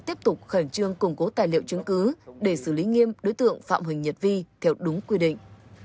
tiếp tục khẩn trương củng cố tài liệu chứng cứ để xử lý nghiêm đối tượng phạm huỳnh nhật vi theo đúng quy định